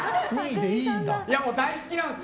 大好きなんですよ。